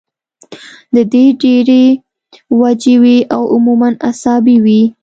د دې ډېرې وجې وي او عموماً اعصابي وي